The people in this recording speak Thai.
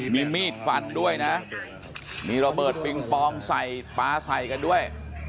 มีมีดฟันด้วยนะมีระเบิดปิงปองใส่ปลาใส่กันด้วย